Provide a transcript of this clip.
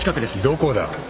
どこだ？